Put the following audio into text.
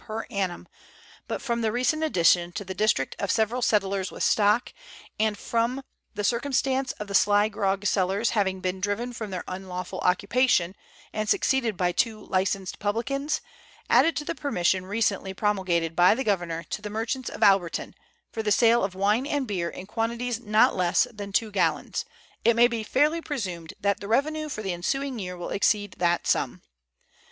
per annum, but from the recent addition to the district of several settlers with stock, and from the circumstance of the sly grog sellers having been driven from their unlawful occupation, and succeeded by two licensed publicans, added to the permission recently promulgated by the Governor to the merchants of Alberton, for the sale of wine and beer in quantities not less than two gallons, it may be fairly presumed that the revenue for the ensuing year will exceed that sum.